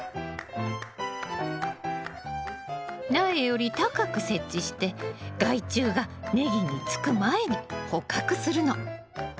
苗より高く設置して害虫がネギにつく前に捕獲するの！